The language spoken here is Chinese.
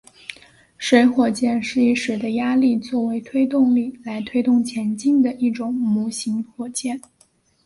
水火箭是以水的压力作为推动力来推动前进的一种模型火箭。